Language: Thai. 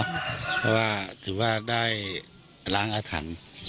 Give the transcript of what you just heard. เพราะว่าถือว่าได้ล้างอาถรรพ์